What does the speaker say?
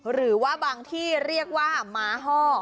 หรือว่าบางที่เรียกว่าม้าห้อ